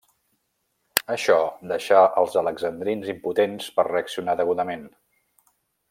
Això deixà els alexandrins impotents per reaccionar degudament.